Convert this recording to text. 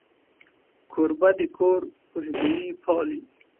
کوربه د کور خوشبويي پالي.